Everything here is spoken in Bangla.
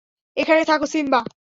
এখানে থাকো, সিম্বা!